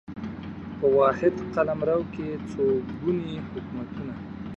په واحد قلمرو کې څو ګوني حکومتونه